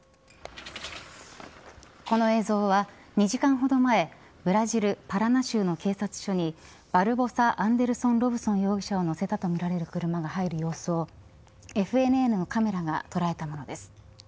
この映像は２時間ほど前ブラジル・パラナ州の警察署にバルボサ・アンデルソン・ロブソン容疑者を乗せたとみられる車が入る様子をＦＮＮのカメラが捉えたものです。